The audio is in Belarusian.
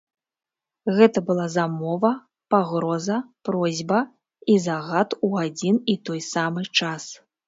Гэта была замова, пагроза, просьба і загад у адзін і той самы час.